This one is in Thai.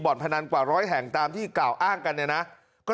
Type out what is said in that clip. พนันกว่าร้อยแห่งตามที่กล่าวอ้างกันเนี่ยนะก็